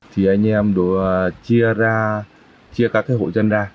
thì anh em đổ chia ra chia các cái hộ dân ra